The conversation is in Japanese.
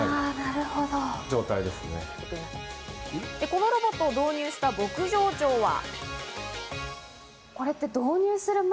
このロボットを導入した牧場長は。